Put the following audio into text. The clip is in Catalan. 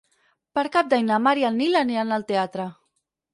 Per Cap d'Any na Mar i en Nil aniran al teatre.